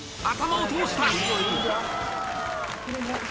頭を通した。